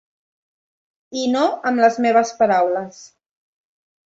I no amb les meves paraules.